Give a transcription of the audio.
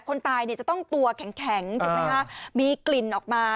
คนตายจะต้องตัวแข็งเห็นไหมครับมีกลิ่นออกมา